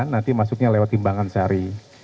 nanti masuknya lewat timbangan sari